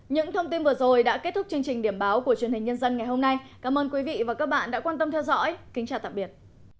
những thông tin vừa rồi đã kết thúc chương trình điểm báo của truyền hình nhân dân ngày hôm nay cảm ơn quý vị và các bạn đã quan tâm theo dõi kính chào tạm biệt